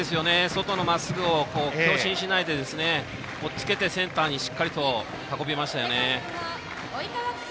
外のまっすぐを強振しないでおっつけてセンターにしっかりと運びましたよね。